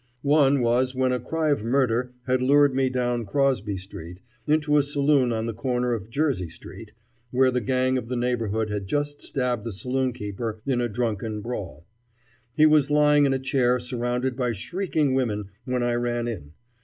One was when a cry of murder had lured me down Crosby Street into a saloon on the corner of Jersey Street, where the gang of the neighborhood had just stabbed the saloon keeper in a drunken brawl. He was lying in a chair surrounded by shrieking women when I ran in.